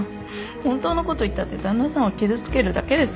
本当のこと言ったって旦那さんを傷つけるだけですよ。